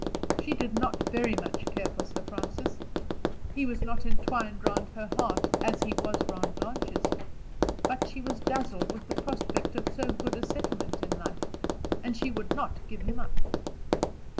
She did not very much care for Sir Francis; he was not entwined round her heart, as he was round Blanche's; but she was dazzled with the prospect of so good a settlement in life, and she would not give him up.